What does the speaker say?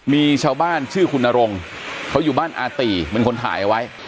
มีชาวบ้านชื่อคุณนรงเขาอยู่บ้านอาตีเป็นคนถ่ายเอาไว้